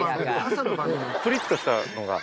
プリっとしたのが。